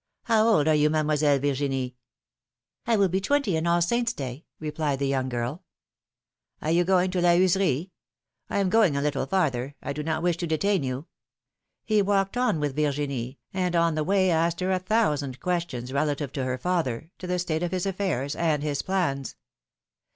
^^How old are you, Mademoiselle Virginie?'^ will be twenty on All Saints' day/' replied the young girl. ^^And you are going to La Heuserie? I am going a little farther ; I do not wish to detain you." He walked on with Virginie, and on the way asked her a thousand questions relative to her father, to the state of his affairs, and his plans.